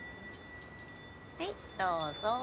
はいどうぞ。